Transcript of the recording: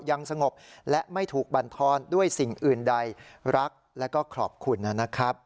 ยังสงบและไม่ถูกบรรทอนด้วยสิ่งอื่นใดรักแล้วก็ขอบคุณนะครับ